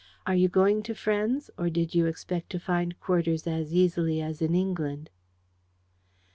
Are you going to friends, or did you expect to find quarters as easily as in England?"